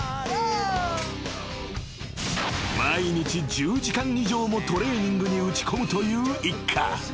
［毎日１０時間以上もトレーニングに打ち込むという一家］